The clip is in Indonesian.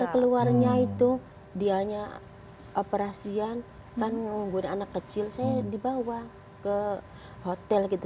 keluarnya itu dianya operasian kan nungguin anak kecil saya dibawa ke hotel gitu